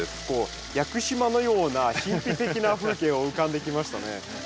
こう屋久島のような神秘的な風景を浮かんできましたね。